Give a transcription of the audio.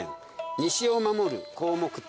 西を守る広目天。